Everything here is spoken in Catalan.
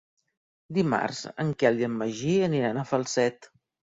Dimarts en Quel i en Magí aniran a Falset.